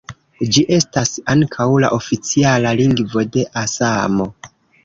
Ĝi estas ankaŭ la oficiala lingvo de Asamo.